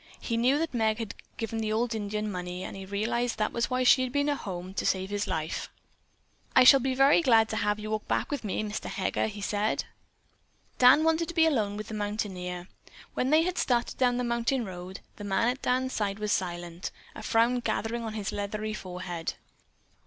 He knew that Meg had given the old Indian money, and he realized that was why she had been at home to save his life. "I shall be glad to have you walk back with me, Mr. Heger," he said. Dan wanted to be alone with the mountaineer. When they had started down the mountain road, the man at Dan's side was silent, a frown gathering on his leathery forehead.